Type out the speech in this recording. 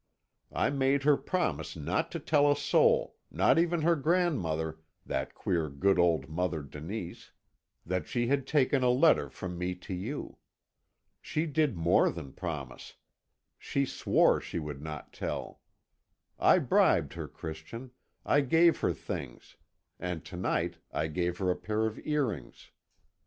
I made her promise not to tell a soul, not even her grandmother, that queer, good old Mother Denise, that she had taken a letter from me to you. She did more than promise she swore she would not tell. I bribed her, Christian I gave her things, and to night I gave her a pair of earrings.